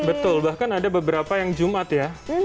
betul bahkan ada beberapa yang jumat ya